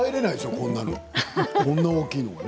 こんな大きいのね。